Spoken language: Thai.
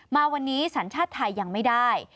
มาวันนี้สัญชาติไทยยังไม่ได้